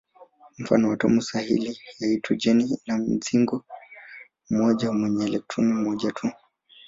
Mfano: atomu sahili ya hidrojeni ina mzingo mmoja wenye elektroni moja tu.